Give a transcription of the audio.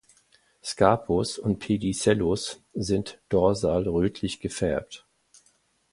Scapus und Pedicellus sind dorsal rötlich gefärbt.